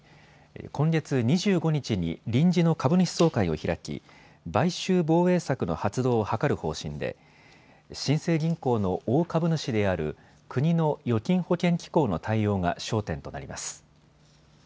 今月２５日に臨時の株主総会を開き買収防衛策の発動を諮る方針で新生銀行の大株主である国の預金保険機構の対応が焦点となります。